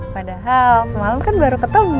padahal semalam kan baru ketemu